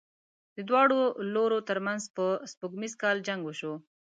د دواړو لورو تر منځ په سپوږمیز کال جنګ وشو.